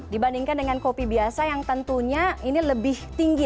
dibandingkan dengan kopi biasa yang tentunya ini lebih tinggi